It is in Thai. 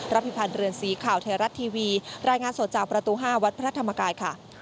พิพันธ์เรือนสีข่าวไทยรัฐทีวีรายงานสดจากประตู๕วัดพระธรรมกายค่ะ